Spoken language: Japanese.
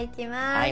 はい。